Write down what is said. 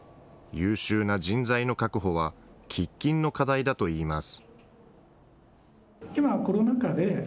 優秀な人材の確保は喫緊の課題だといいます。